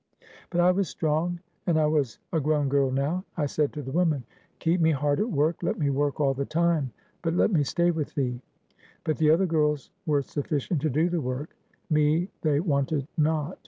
"But I was strong, and I was a grown girl now. I said to the woman Keep me hard at work; let me work all the time, but let me stay with thee. But the other girls were sufficient to do the work; me they wanted not.